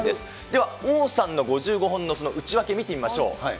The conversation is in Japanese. では王さんの５５本のその内訳見てみましょう。